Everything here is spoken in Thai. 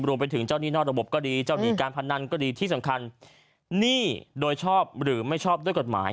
ไปถึงเจ้าหนี้นอกระบบก็ดีเจ้าหนี้การพนันก็ดีที่สำคัญหนี้โดยชอบหรือไม่ชอบด้วยกฎหมาย